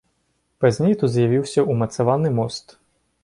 Пазней тут з'явіўся ўмацаваны мост.